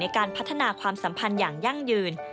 การพัฒนาความสัมพันธ์อย่างยั่งยืน